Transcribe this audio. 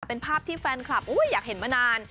เป็นภาพที่แฟนคลับอยากเห็นมานาน